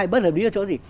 bất hợp lý là chỗ gì